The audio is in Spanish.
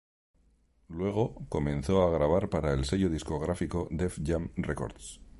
Luego, comenzó a grabar para el sello discográfico Def Jam Records.